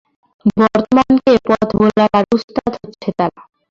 বর্তমানকে পথ ভোলাবার ওস্তাদ হচ্ছে তারা।